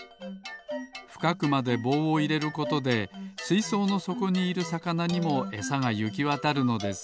ふかくまでぼうをいれることですいそうのそこにいるさかなにもエサがゆきわたるのです。